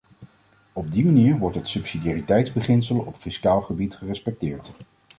Op die manier wordt het subsidiariteitsbeginsel op fiscaal gebied gerespecteerd.